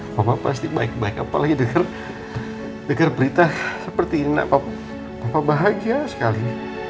hai papa pasti baik baik apalagi deger deger berita seperti ini enak papa papa bahagia sekali